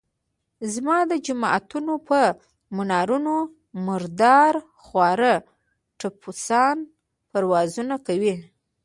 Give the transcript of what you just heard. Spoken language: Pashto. زما د جوماتونو پر منارونو مردار خواره ټپوسان پروازونه کوي.